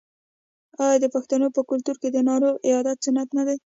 آیا د پښتنو په کلتور کې د ناروغ عیادت سنت نه دی؟